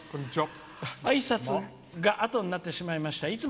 あいさつがあとになってしまいした。